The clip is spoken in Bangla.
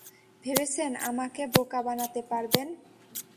ভেবেছেন আমাকে বোকা বানাতে পারবেন?